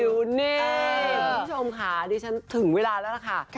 คุณผู้ชมค่ะดิฉันถึงเวลาแล้วล่ะค่ะ